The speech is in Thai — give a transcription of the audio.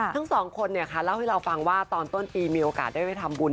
ทั้งสองคนเล่าให้เราฟังว่าตอนต้นปีมีโอกาสได้ไปทำบุญ